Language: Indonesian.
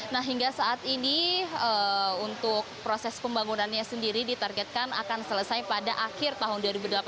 nah hingga saat ini untuk proses pembangunannya sendiri ditargetkan akan selesai pada akhir tahun dua ribu delapan belas